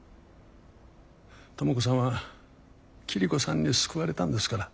知子さんは桐子さんに救われたんですから。